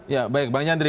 ya baik bang yandri